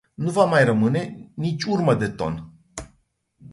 Nu va mai rămâne nici urmă de ton.